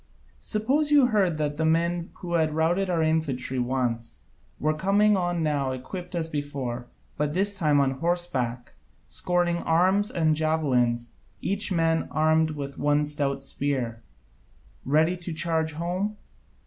Suppose you heard that the very men who had routed our infantry once were coming on now equipt as before, but this time on horseback, scorning arms and javelins, each man armed with one stout spear, ready to charge home?